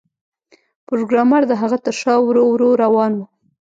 پروګرامر د هغه تر شا ورو ورو روان و